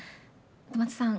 戸松さん